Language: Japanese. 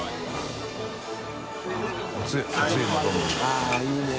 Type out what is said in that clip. あっいいね。